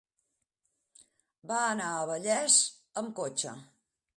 Va anar a Vallés amb cotxe.